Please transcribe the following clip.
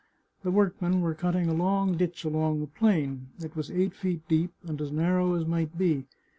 The workmen were cut ting a long ditch along the plain. It was eight feet deep, and as narrow as might be.